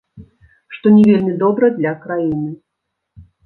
Што не вельмі добра для краіны.